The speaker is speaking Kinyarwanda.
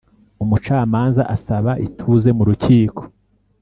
Umucamanza asaba ituze mu rukiko